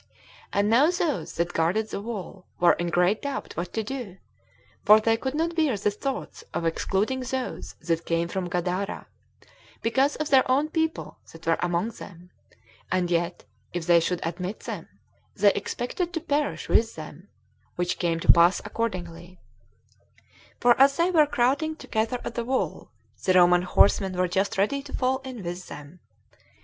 And now those that guarded the wall were in great doubt what to do; for they could not bear the thoughts of excluding those that came from Gadara, because of their own people that were among them; and yet, if they should admit them, they expected to perish with them, which came to pass accordingly; for as they were crowding together at the wall, the Roman horsemen were just ready to fall in with them.